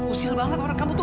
usil banget orang kamu tuh